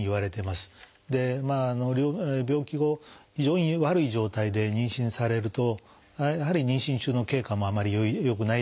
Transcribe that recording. まあ病気後非常に悪い状態で妊娠されるとやはり妊娠中の経過もあまり良くないだろうと思うし。